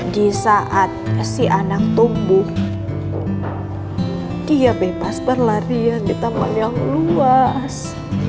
di saat si anak tumbuh dia bebas berlarian di taman yang luas